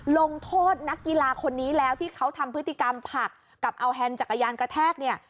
ลงโทษนักกีฬาคนนี้แล้วที่เขาทำพฤติกรรมผักกับเอาแฮนด์จักรยานกระแทกเนี่ย